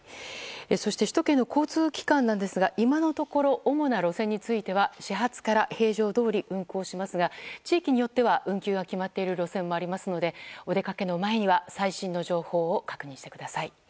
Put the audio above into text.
そして首都圏の交通機関ですが今のところ主な路線については始発から平常どおり運行しますが地域によっては運休が決まっている路線もありますのでお出かけの前には最新の情報を確認してください。